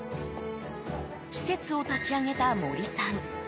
施設を立ち上げた森さん。